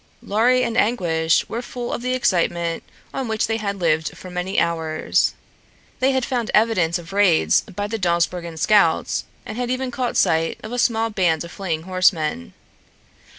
Lorry and Anguish were full of the excitement on which they had lived for many hours. They had found evidence of raids by the Dawsbergen scouts and had even caught sight of a small band of fleeing horsemen.